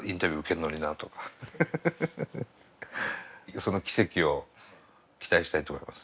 その奇跡を期待したいと思います。